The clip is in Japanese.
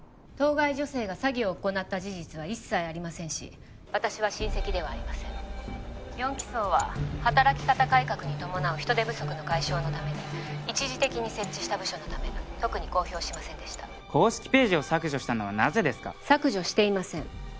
当該女性が詐欺を行った事実は一切ありませんし私は親戚ではありません４機捜は働き方改革に伴う人手不足の解消のために一時的に設置した部署のため特に公表しませんでした公式ページを削除したのはなぜですか削除していません